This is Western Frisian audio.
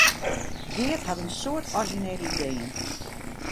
Geart hat in soad orizjinele ideeën.